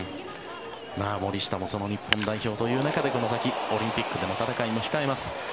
森下も日本代表という中でこの先、オリンピックでの戦いも控えます。